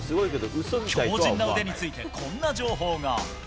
強じんな腕について、こんな情報が。